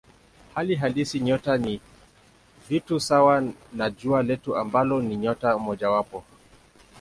Hali halisi nyota ni vitu sawa na Jua letu ambalo ni nyota mojawapo.